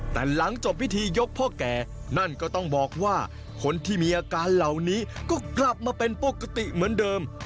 แต่หลังจบพิธียกพ่อแก่นั่นก็ต้องบอกว่าคนที่มีอาการเหล่านี้ก็กลับมาเป็นปกติเหมือนเดิม